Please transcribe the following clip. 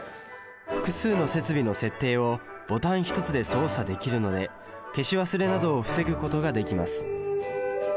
複数の設備の設定をボタン一つで操作できるので消し忘れなどを防ぐことができます。